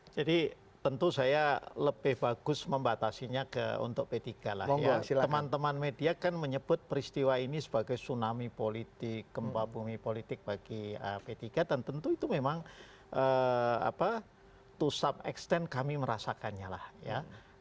jadi tentu saya lebih bagus membatasinya untuk p tiga lah ya teman teman media kan menyebut peristiwa ini sebagai tsunami politik kempabumi politik bagi p tiga dan tentu itu memang to some extent kami merasakannya lah ya